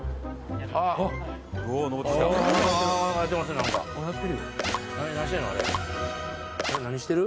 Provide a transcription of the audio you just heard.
えっ何してる？